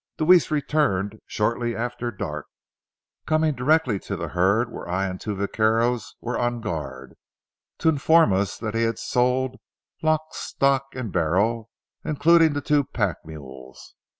Deweese returned shortly after dark, coming directly to the herd where I and two vaqueros were on guard, to inform us that he had sold lock, stock, and barrel, including the two pack mules.